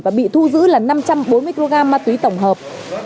và bị thu giữ là năm trăm bốn mươi kg ma túy tổng hợp